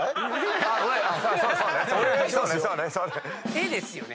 絵ですよね。